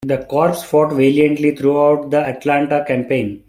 The corps fought valiantly throughout the Atlanta Campaign.